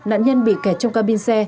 nạn nhân bị kẹt trong ca bin xe